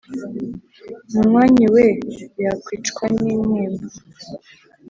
munywanyi we yakicwa nintimba"